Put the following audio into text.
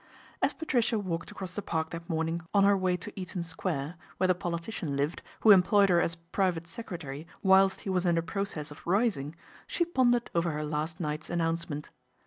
As Patricia walked across the Park that morn ing on her way to Eaton Square, where the poli tician lived who employed her as private secretary whilst he was in the process of rising, she pondered over her last night's announcement.